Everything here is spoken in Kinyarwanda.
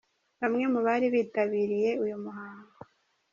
Bamwe mu bari bitabiriye uyu muhango.